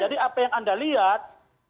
jadi apa yang anda lihat